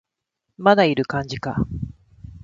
まだいる感じか